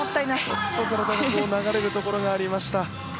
ちょっと流れるところがありました。